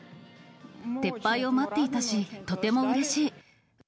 撤廃を待っていたし、とてもうれしい。